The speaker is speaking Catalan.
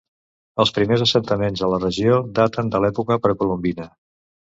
Els primers assentaments a la regió daten de l'època precolombina.